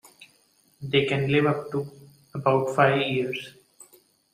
They can live up to about five years.